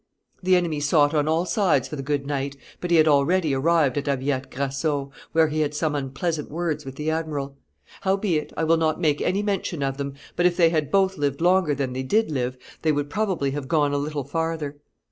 ... The enemy sought on all sides for the good knight, but he had already arrived at Abbiate Grasso, where he had some unpleasant words with the admiral; howbeit, I will not make any mention of them; but if they had both lived longer than they did live, they would probably have gone a little farther.